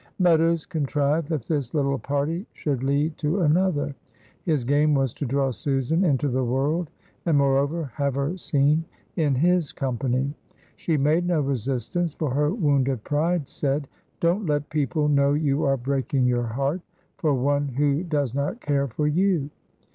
Meadows contrived that this little party should lead to another. His game was to draw Susan into the world, and moreover have her seen in his company. She made no resistance, for her wounded pride said, "Don't let people know you are breaking your heart for one who does not care for you."